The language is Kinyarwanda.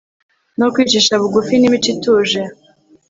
no kwicisha bugufi n'imico ituje